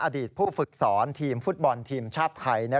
อดีตผู้ฝึกสอนทีมฟุตบอลทีมชาติไทย